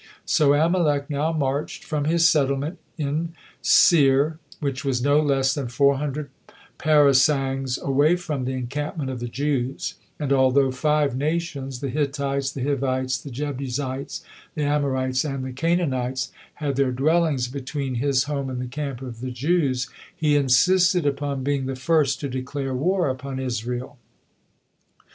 So Amalek now marched from his settlement in Seir, which was no less than four hundred parasangs away from the encampment of the Jews; and although five nations, the Hittites, the Hivites, the Jebusites, the Amorites, and the Canaanites, had their dwellings between his home and the camp of the Jews, he insisted upon being the first to declare war upon Israel.